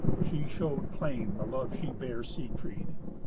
She showed plain the love she bare Siegfried.